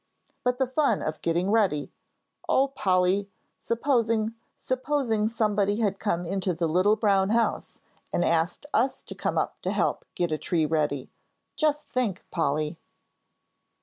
"But the fun of getting ready! Oh, Polly, supposing supposing somebody had come into the little brown house and asked us to come to help get a tree ready. Just think, Polly!"